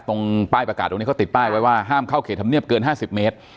ตรงป้ายประกาศตรงนี้เขาติดป้ายไว้ว่าห้ามเข้าเขตธรรมเนียบเกิน๕๐เมตร